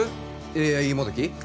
ＡＩもどき？